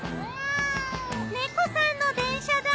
猫さんの電車だ！